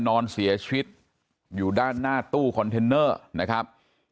นอนเสียชีวิตอยู่ด้านหน้าตู้คอนเทนเนอร์นะครับ